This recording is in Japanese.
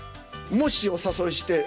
もしお誘いして。